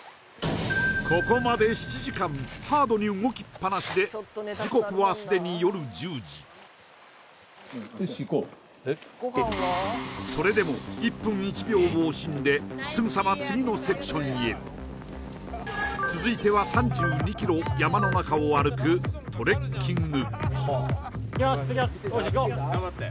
ここまで時刻はすでに夜１０時それでも１分１秒を惜しんですぐさま次のセクションへ続いては３２ｋｍ山の中を歩くトレッキング